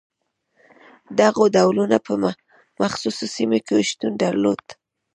دغو ډولونه په مخصوصو سیمو کې شتون درلود.